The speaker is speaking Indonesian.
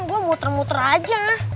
gua muter muter aja